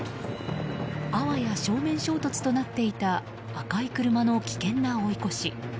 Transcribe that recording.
あわや正面衝突となっていた赤い車の危険な追い越し。